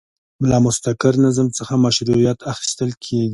له مستقر نظم څخه مشروعیت اخیستل کیږي.